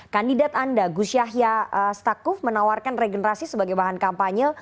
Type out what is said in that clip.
kandidat anda gus yahya stakuf menawarkan regenerasi sebagai bahan kampanye